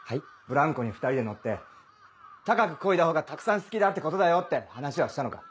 ブランコに２人で乗って「高くこいだほうがたくさん好きだってことだよ」って話しはしたのか？